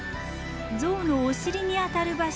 象のお尻にあたる場所